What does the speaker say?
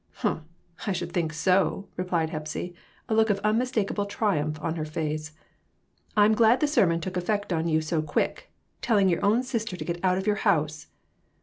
"Humph! I should think so!" replied Hepsy, a look of unmistakable triumph on her face. "I'm glad the sermon took effect on you so quick ; telling your own sister to get out of your house!"